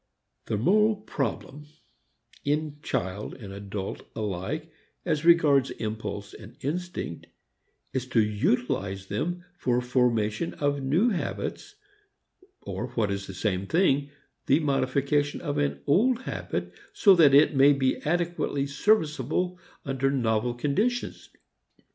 The moral problem in child and adult alike as regards impulse and instinct is to utilize them for formation of new habits, or what is the same thing, the modification of an old habit so that it may be adequately serviceable under novel conditions.